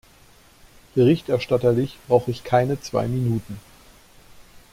BerichterstatterIch brauche keine zwei Minuten.